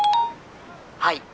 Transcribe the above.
「はい。